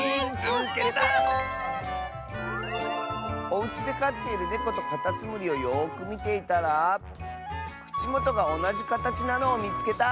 「おうちでかっているネコとカタツムリをよくみていたらくちもとがおなじかたちなのをみつけた！」。